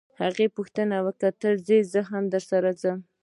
هغې وپوښتل ته ځې چې زه هم درځم.